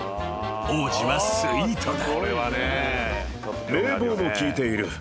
［王子はスイートだ］